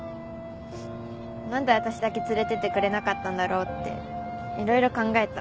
なんで私だけ連れてってくれなかったんだろうっていろいろ考えた。